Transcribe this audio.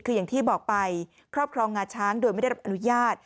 คืออย่างที่บอกไปครอบครองงาช้างโดยไม่ได้รับอนุญาต